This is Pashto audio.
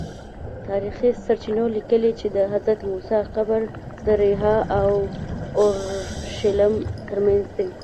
تاریخي سرچینو لیکلي چې د حضرت موسی قبر د ریحا او اورشلیم ترمنځ دی.